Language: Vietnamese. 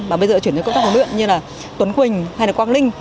và bây giờ chuyển đến công tác huyện như tuấn quỳnh hay quang linh